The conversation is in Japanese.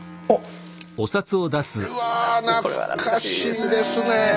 これは懐かしいですね。